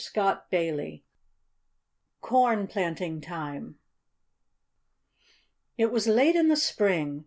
XVII CORN PLANTING TIME It was late in the spring.